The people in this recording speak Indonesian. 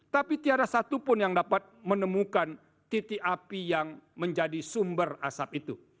tapi tiara satupun yang dapat menemukan titik api yang menjadi sumber asap itu